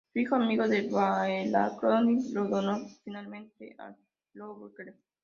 Su hijo, amigo de Delacroix, lo donó finalmente al Louvre.